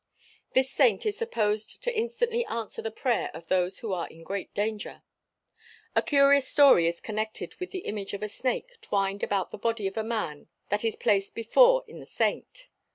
This saint is supposed to instantly answer the prayer of those who are in great danger. A curious story is connected with the image of a snake twined about the body of a man that is placed before in the saint.